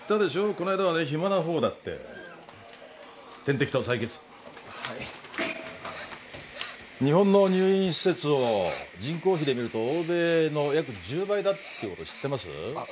こないだはヒマな方だって点滴と採血・日本の入院施設を人口比で見ると欧米の約１０倍だって知ってます？